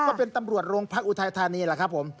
ก็เป็นตำรวจโรงพักอุทัยธานีแหละครับผม